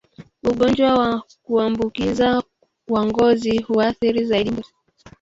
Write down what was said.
Ugonjwa wa kuambukiza wa ngozi huathiri zaidi mbuzi